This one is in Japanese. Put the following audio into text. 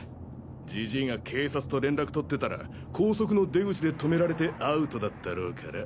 ジジイが警察と連絡取ってたら高速の出口で止められてアウトだったろうから。